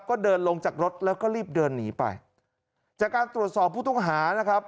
ก็เดินลงจากรถแล้วก็รีบเดินหนีไปจากการตรวจสอบผู้ต้องหานะครับ